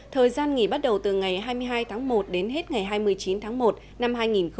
thời gian nghỉ bắt đầu từ ngày hai mươi hai tháng một đến hết ngày hai mươi chín tháng một năm hai nghìn hai mươi